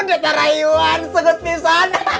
dekat rayuan segut pisan